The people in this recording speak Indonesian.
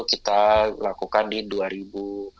kita lakukan itu dengan cara yang lebih jelas